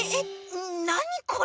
なにこれ？